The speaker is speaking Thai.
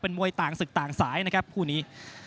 มวยต่างศึกต่างสายนะครับคู่นี้